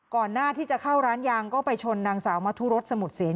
หน้าที่จะเข้าร้านยางก็ไปชนนางสาวมทุรสสมุทรเสน